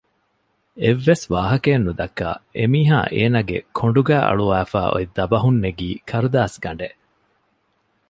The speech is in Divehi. އެއްވެސް ވާހަކައެއް ނުދައްކާ އެމީހާ އޭނަގެ ކޮނޑުގައި އަޅުވާފައި އޮތް ދަބަހުން ނެގީ ކަރުދާސްގަޑެއް